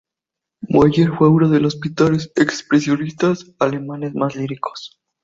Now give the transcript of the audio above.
Mueller fue uno de los pintores expresionistas alemanes más líricos.